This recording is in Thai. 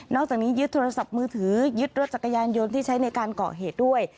จากนี้ยึดโทรศัพท์มือถือยึดรถจักรยานยนต์ที่ใช้ในการก่อเหตุด้วย